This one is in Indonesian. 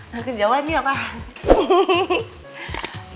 nanti jauhani ya pak